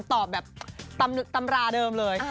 ตอบแบบตำราเดิมเลย